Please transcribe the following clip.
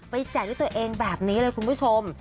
แจกด้วยตัวเองแบบนี้เลยคุณผู้ชม